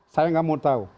saya nggak mau tahu